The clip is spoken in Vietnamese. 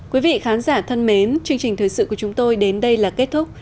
quý vị khán giả thân mến chương trình thời sự của chúng tôi đến đây là kết thúc